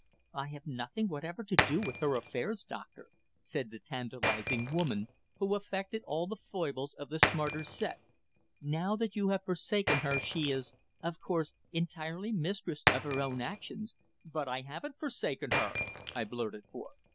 "I have nothing whatever to do with her affairs, Doctor," said the tantalising woman, who affected all the foibles of the smarter set. "Now that you have forsaken her she is, of course, entirely mistress of her own actions." "But I haven't forsaken her!" I blurted forth.